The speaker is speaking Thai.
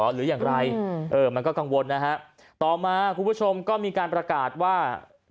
หรืออย่างไรเออมันก็กังวลนะฮะต่อมาคุณผู้ชมก็มีการประกาศว่า